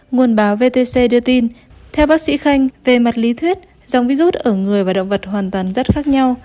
nguồn báo vtc đưa tin theo bác sĩ khanh về mặt lý thuyết dòng virus ở người và động vật hoàn toàn rất khác nhau